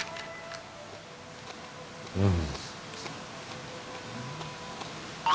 うん。